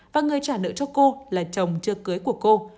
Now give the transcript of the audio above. và người trả nợ cho cô là chồng chưa cưới của cô